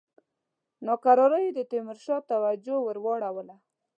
ناکراریو د تیمورشاه توجه ور واړوله.